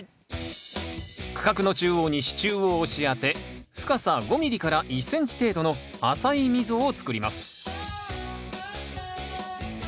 区画の中央に支柱を押し当て深さ５ｍｍ１ｃｍ程度の浅い溝をつくります